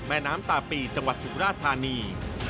แม่น้ำตาปีจังหวัดสุราธานี